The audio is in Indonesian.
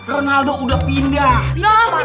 ronaldo udah pindah